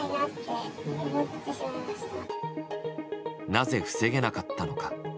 なぜ防げなかったのか。